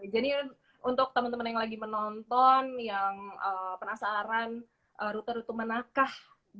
jadi untuk teman teman yang lagi menonton yang penasaran rute rute mana kah